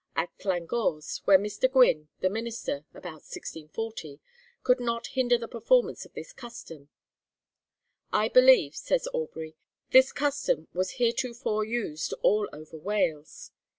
at Llangors, where Mr. Gwin, the minister, about 1640, could not hinder the performance of this custom. I believe,' says Aubrey, 'this custom was heretofore used all over Wales.'